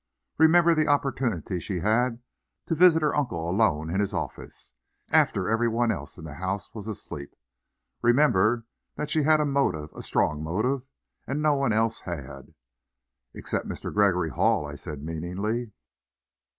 Remember the opportunity she had, to visit her uncle alone in his office, after every one else in the house was asleep. Remember that she had a motive a strong motive and no one else had." "Except Mr. Gregory Hall," I said meaningly.